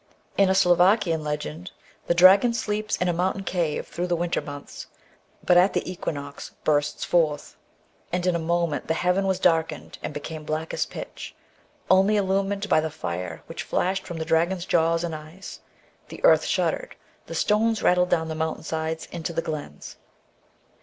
In a Slovakian legend, the dragon sleeps in a mountain cave through the winter months, but, at the equinox, bursts forth — "In a moment the heaven was darkened and became black as pitch, only illumined by the fire which flashed fi*om dragon's jaws and eyes. The earth shuddered, the stones rattled down the mountain sides into the glens.